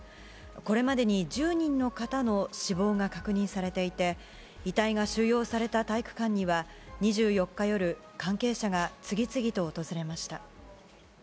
これまでに１０人の方の死亡が確認されていて、遺体が収容された体育館には、２４日夜、関係者が次々と訪れました。